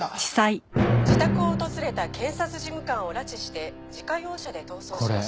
「自宅を訪れた検察事務官を拉致して自家用車で逃走しました」